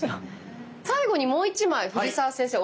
最後にもう一枚藤澤先生